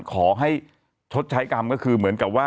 ขอให้ชดใช้กรรมก็คือเหมือนกับว่า